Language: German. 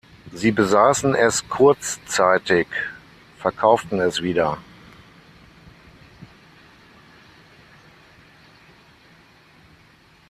Sie besaßen es kurzzeitig verkauften es wieder.